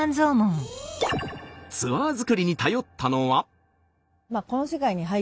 ツアー作りに頼ったのは。